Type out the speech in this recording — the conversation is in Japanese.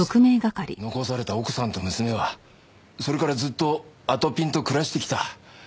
残された奥さんと娘はそれからずっとあとぴんと暮らしてきた。